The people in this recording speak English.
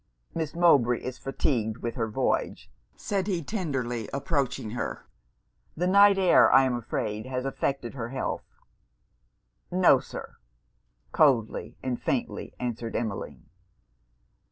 'Miss Mowbray is fatigued with her voyage,' said he, tenderly approaching her 'The night air I am afraid has affected her health?' 'No, Sir;' coldly and faintly answered Emmeline.